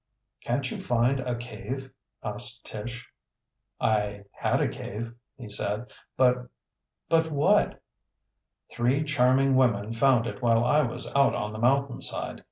"Can't you find a cave?" asked Tish. "I had a cave," he said, "but " "But what?" "Three charming women found it while I was out on the mountainside.